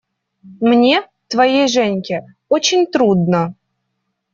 Мне, твоей Женьке, очень трудно.